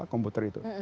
apa komputer itu